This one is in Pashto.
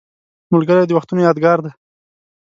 ملګری د وختونو یادګار دی